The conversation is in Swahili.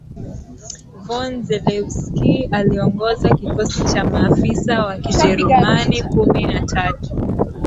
von Zelewski aliongoza kikosi cha maafisa Wa kijerumani kumi na tatu